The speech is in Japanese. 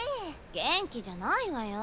元気じゃないわよ。